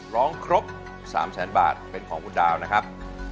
ร้องครบ๓แสนบาทเป็นของคุณดาวนะครับ